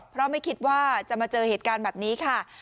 เพราะไม่คิดว่าจะมาเจอเหตุการณ์แบบนี้ค่ะ